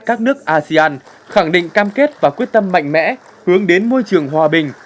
các nước asean khẳng định cam kết và quyết tâm mạnh mẽ hướng đến môi trường hòa bình